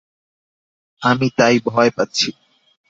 আমি তাই ভয় পাচ্ছি।